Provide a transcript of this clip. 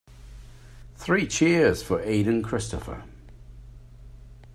Three cheers for Aden Christopher.